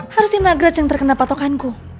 harusnya nagres yang terkena patokanku